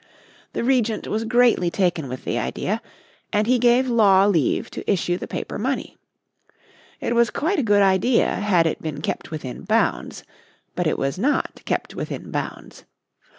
The Regent was greatly taken with the idea, and he gave Law leave to issue the paper money. It was quite a good idea had it been kept within bounds. But it was not kept within bounds.